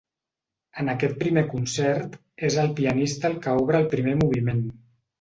En aquest primer concert és el pianista el que obre el primer moviment.